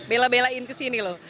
bela belain kesini loh